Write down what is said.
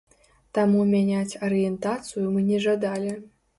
Таму мяняць арыентацыю мы не жадалі!